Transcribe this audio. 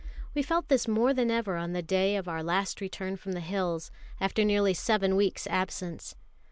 We felt this more than ever on the day of our last return from the hills, after nearly seven weeks' absence.